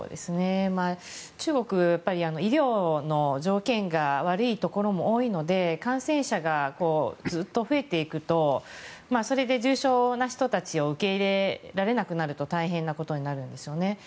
中国は医療の条件が悪いところも多いので感染者がずっと増えていくとそれで重症な人たちを受け入れられなくなると大変なことになるんですよね。